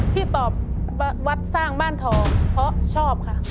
ที่ตอบวัดสร้างบ้านทองเพราะชอบค่ะ